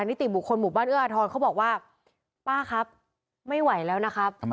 นิติบุคคลหมู่บ้านเอื้ออาทรเขาบอกว่าป้าครับไม่ไหวแล้วนะครับ